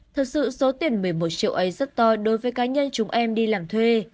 thật sự số tiền một mươi một triệu ấy rất to đối với cá nhân chúng em đi làm thuê